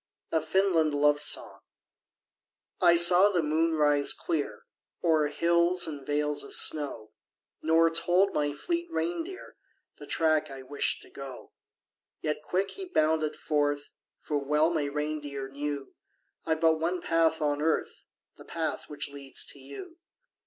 A FINLAND LOVE SONG. I saw the moon rise clear O'er hills and vales of snow Nor told my fleet reindeer The track I wished to go. Yet quick he bounded forth; For well my reindeer knew I've but one path on earth The path which leads to you.